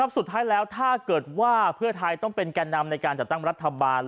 สุดท้ายแล้วถ้าเกิดว่าเพื่อไทยต้องเป็นแก่นำในการจัดตั้งรัฐบาล